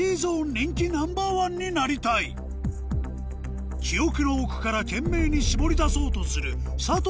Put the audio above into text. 人気ナンバーワンになりたい記憶の奥から懸命に絞り出そうとする佐藤